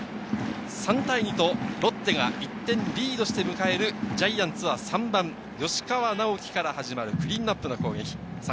３対２とロッテが１点リードして迎えるジャイアンツは３番・吉川尚輝から始まるクリーンナップの攻撃。